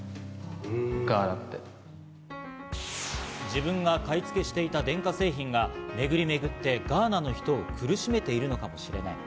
自分が買い付けしていた電化製品がめぐりめぐってガーナの人を苦しめているのかもしれない。